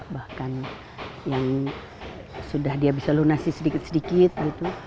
bahkan yang sudah dia bisa lunasi sedikit sedikit gitu